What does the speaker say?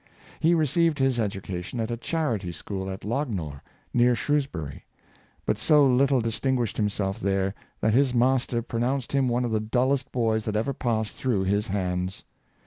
He received his education at a charity school at Lognor, near Shrewsbury, but so little distinguished himself there, that his master pro nounced him one of the dullest boys that ever passed through his hands.